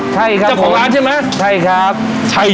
ใช่ครับจับของร้านใช่ไหม